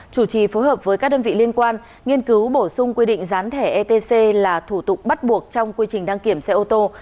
chủ trì phối hợp với các đơn vị liên quan nghiên cứu bổ sung quy định gián thẻ etc là thủ tục bắt buộc trong quy trình đăng kiểm xe ô tô